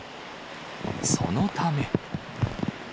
そのため。